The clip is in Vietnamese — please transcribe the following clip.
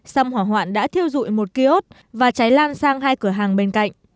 xăm hỏa hoạn đã thiêu dụi một kiosk và cháy lan sang hai cửa hàng bên cạnh